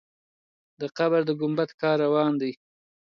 د قبر د ګمبد کار روان دی.